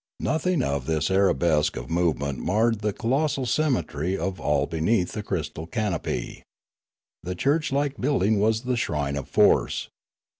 Nothing of this arabesque of movement marred the colossal symmetry of all beneath the crystal canopy. The church like building was the shrine of force.